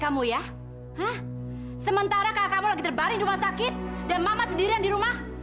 kamu ya sementara kakakmu lagi terbaring di rumah sakit dan mama sendirian di rumah